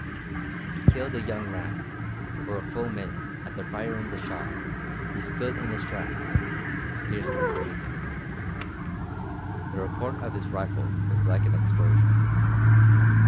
He killed a young ram. For a full minute after firing the shot he stood in his tracks, scarcely breathing. The report of his rifle was like an explosion.